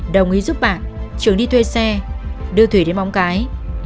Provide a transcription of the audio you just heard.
đồng ý giúp bạn trường đi thuê xe đưa thùy đến bóng cái